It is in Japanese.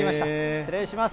失礼します。